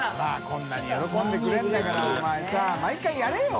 こんなに喜んでくれるんだからお前さ毎回やれよ！